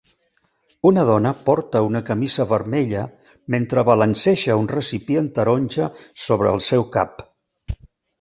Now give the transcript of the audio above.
Una dona porta una camisa vermella mentre balanceja un recipient taronja sobre el seu cap.